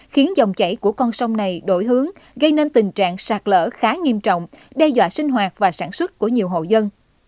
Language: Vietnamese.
khiến dòng chảy của con sông này đổi hướng gây nên tình trạng sạt lỡ khá nghiêm trọng đe dọa sinh hoạt và sản xuất của nhiều hộ dân